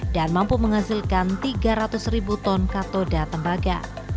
dan mampu menghasilkan tiga ratus ribu ton katoda tembaga